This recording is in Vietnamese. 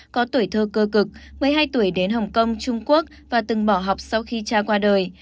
có tuổi thơ cơ cực một mươi hai tuổi đến hồng kông trung quốc và từng bỏ học sau khi cha qua đời